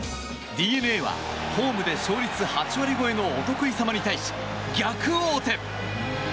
ＤｅＮＡは勝率８割超えのお得意様に対し逆王手。